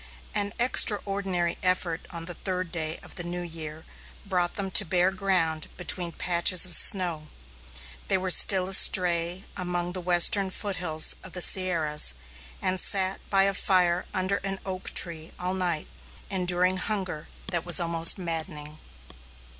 An extraordinary effort on the third day of the new year brought them to bare ground between patches of snow. They were still astray among the western foothills of the Sierras, and sat by a fire under an oak tree all night, enduring hunger that was almost maddening.